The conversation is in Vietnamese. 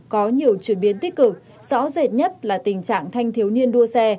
có nhiều chuyển biến tích cực rõ rệt nhất là tình trạng thanh thiếu niên đua xe